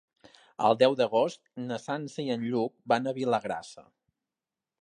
El deu d'agost na Sança i en Lluc van a Vilagrassa.